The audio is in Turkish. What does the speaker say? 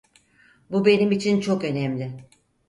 Bu benim için çok önemli.